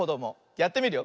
やってみるよ。